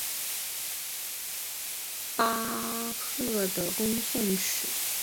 巴赫的颂赞曲是他最杰出的和最为人称道的作品。